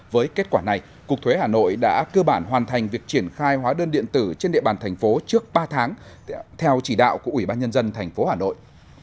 với kết quả này cục thuế hà nội đã cơ bản hoàn thành việc triển khai hóa đơn điện tử trên địa bàn thành phố trước ba tháng theo chỉ đạo của ubnd tp hà nội